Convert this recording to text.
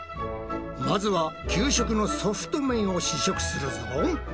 まずは給食のソフト麺を試食するぞ。